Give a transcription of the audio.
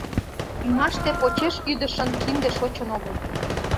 Ӱмаште почеш ӱдышын кинде шочын огыл.